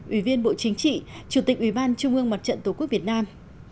ủy viên bộ chính trị chủ tịch ủy ban trung ương mặt trận tổ quốc việt nam